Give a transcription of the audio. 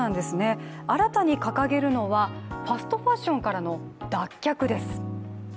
新たに掲げるのは、ファストファッションからの脱却です。